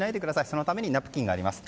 そのためにナプキンがあります。